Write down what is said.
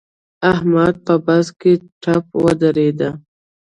احمد په بحث کې ټپ ودرېد.